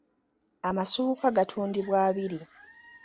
Amasuuka gatundibwa abiri.